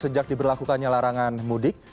sejak diberlakukannya larangan mudik